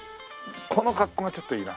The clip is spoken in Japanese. この格好がちょっといいな。